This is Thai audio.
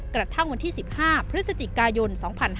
กระทั่งวันที่๑๕พฤศจิกายน๒๕๕๙